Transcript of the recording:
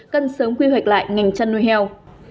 cần sớm quy hoạch lại ngành chăn nuôi heo